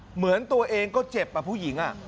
เหมือนตัวเองก็เจ็บผู้หญิง